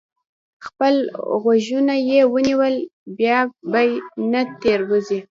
خپل غوږونه یې ونیول؛ بیا به نه تېروځي.